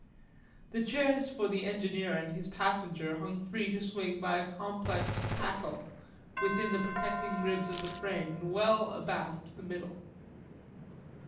The chairs for the engineer and his passenger hung free to swing by a complex tackle, within the protecting ribs of the frame and well abaft the middle.